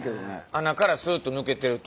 穴からスッと抜けてると。